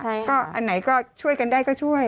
ก็อันไหนก็ช่วยกันได้ก็ช่วย